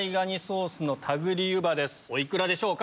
お幾らでしょうか？